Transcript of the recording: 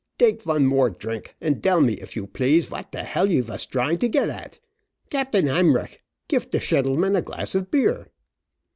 "Dake von more drink, and dell me, of you please, vot de hell you vos drying to get at. Capt. Hemrech, gif der shendleman a glass of beer."